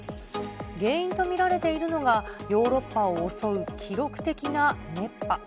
原因と見られているのが、ヨーロッパを襲う記録的な熱波。